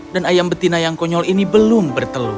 dan ayam betina yang konyol ini belum bertelur